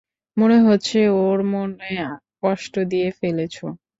মনে হচ্ছে, ওর মনে কষ্ট দিয়ে ফেলেছ।